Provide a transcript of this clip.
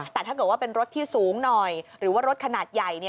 แต่ถ้าเกิดว่าเป็นรถที่สูงหน่อยหรือว่ารถขนาดใหญ่